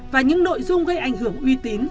và những nội dung gây ảnh hưởng uy tín